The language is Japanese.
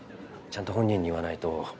ちゃんと本人に言わないと。